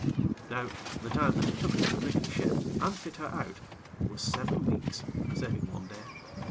Now, the time that it took us to rig the ship, and fit her out, was seven weeks, saving one day.